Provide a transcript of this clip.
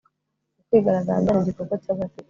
Ukwigaragambya ni igikorwa cy agatsiko